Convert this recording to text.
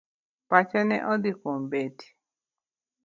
Pache ne odhi kuom Betty.